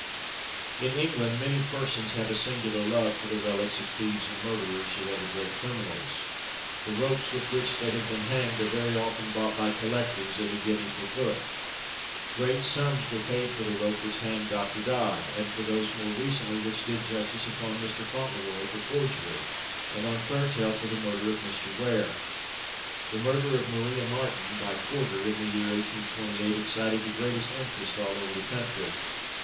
In England many persons have a singular love for the relics of thieves and murderers, or other great criminals. The ropes with which they have been hanged are very often bought by collectors at a guinea per foot. Great sums were paid for the rope which hanged Dr. Dodd, and for those more recently which did justice upon Mr. Fauntleroy for forgery, and on Thurtell for the murder of Mr. Weare. The murder of Maria Marten, by Corder, in the year 1828, excited the greatest interest all over the country.